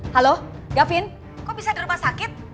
halo gavin kok bisa di rumah sakit